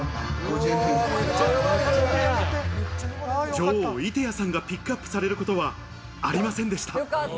女王・射手矢さんがピックアップされることはありませんでした。